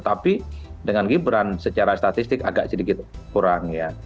tapi dengan gibran secara statistik agak sedikit kurang ya